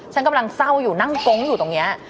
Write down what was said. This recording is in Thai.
ฉันกำลังเศร้าอยู่นั่งโก๊งอยู่ตรงนี้